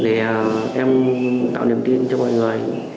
để em tạo niềm tin cho mọi người